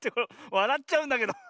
わらっちゃうんだけど。